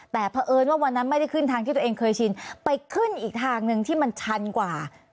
แต่เพราะเอิญว่าวันนั้นไม่ได้ขึ้นทางที่ตัวเองเคยชินไปขึ้นอีกทางหนึ่งที่มันชันกว่า